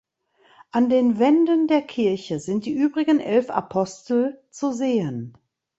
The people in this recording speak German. An den Wänden der Kirche sind die übrigen elf Apostel zu sehen.